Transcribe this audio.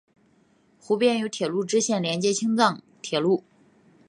湖边有铁路支线连接青藏铁路。